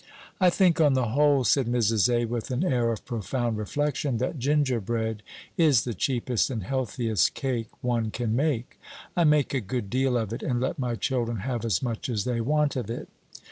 "I think, on the whole," said Mrs. A., with an air of profound reflection, "that gingerbread is the cheapest and healthiest cake one can make. I make a good deal of it, and let my children have as much as they want of it."